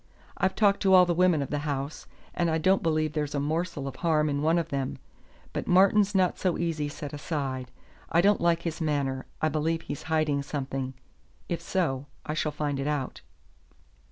I've talked to all the women of the house, and I don't believe there's a morsel of harm in one of them. But Martin's not so easy set aside. I don't like his manner; I believe he's hiding something. If so, I shall find it out."